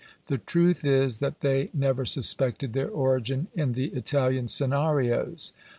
The truth is that they never suspected their origin in the Italian "scenarios."